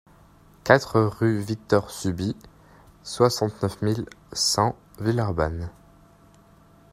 quatre rue Victor Subit, soixante-neuf mille cent Villeurbanne